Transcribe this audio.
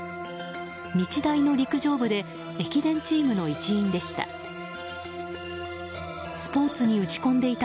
日大の陸上部で駅伝チームの一員でした。